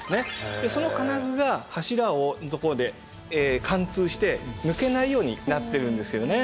でその金具が柱のところで貫通して抜けないようになってるんですよね。